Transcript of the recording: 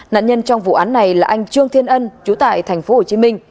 nạn nhân trong vụ án này là anh trương thiên ân chú tại tp hcm